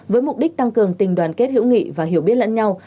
điều này giúp tăng cường tình đoàn kết hữu nghị và hiểu biết lẫn nhau